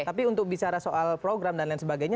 tapi untuk bicara soal program dan lain sebagainya